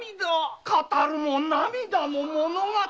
語るも涙の物語。